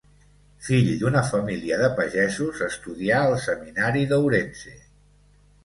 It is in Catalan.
Fill d'una família de pagesos, estudià al seminari d'Ourense.